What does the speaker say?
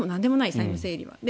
債務整理は。